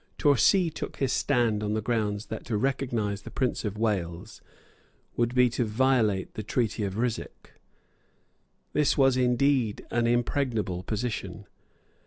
Torcy took his stand on the ground that to recognise the Prince of Wales would be to violate the Treaty of Ryswick. This was indeed an impregnable position.